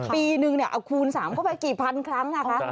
ปีหนึ่งเนี่ยคูณ๓ก็ไปกี่พันครั้งนะคะ